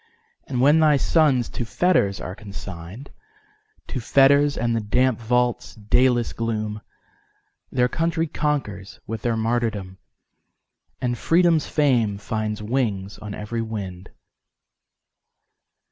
And when thy sons to fetters are consign'd, To fetters, and the damp vault's dayless gloom, Their country conquers with their martyrdom, And Freedom's fame finds wings on every wind.